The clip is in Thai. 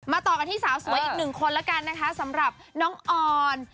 ต่อกันที่สาวสวยอีกหนึ่งคนแล้วกันนะคะสำหรับน้องออน